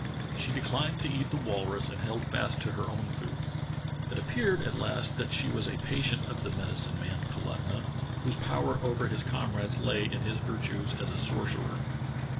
She declined to eat the walrus and held fast to her own food. It ap peared at last that she was a patient of the medicine man, Kalutunah, whose power over his comrades lay in his virtues as a sorcerer.